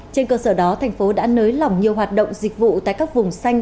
trên cơ sở đó tp đã nới lỏng nhiều hoạt động dịch vụ tại các vùng xanh